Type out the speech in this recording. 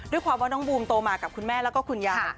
ด้วยความว่าน้องบูมโตมากับคุณแม่แล้วก็คุณยาย